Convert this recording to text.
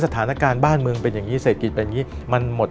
สถานการณ์บ้านเมืองเป็นอย่างนี้เศรษฐกิจเป็นอย่างนี้มันหมด